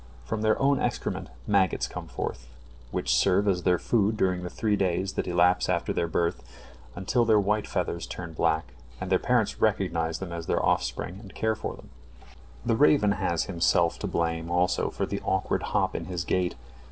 From their own excrement maggots come forth, which serve as their food during the three days that elapse after their birth, until their white feathers turn black and their parents recognize them as their offspring and care for them. The raven has himself to blame also for the awkward hop in his gait.